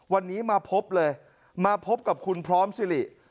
วันนี้มาพบเลยมาพบกับคุณพร้อมสิริ